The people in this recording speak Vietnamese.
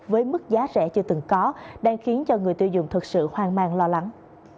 với mức giá rẻ chưa từng có đang khiến cho người tiêu dùng thật sự hoang mang lo lắng